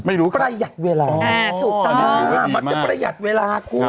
ประหยัดเวลามันจะประหยัดเวลาคุณ